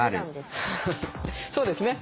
そうですね。